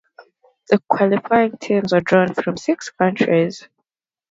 The qualifying teams were drawn from six countries.